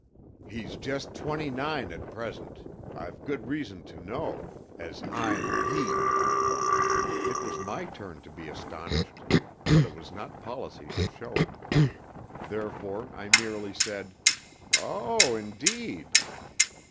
"He's just twenty nine at present; I've good reason to know, as I'm he." It was my turn to be astonished, but it was not policy to show it. Therefore I merely said, "Oh, indeed!"